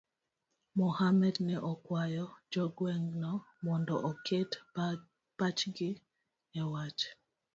Mohamed ne okwayo jo gweng'no mondo oket pachgi e wach